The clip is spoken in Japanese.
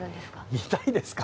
見たいですか？